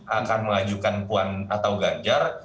akan mengajukan puan atau ganjar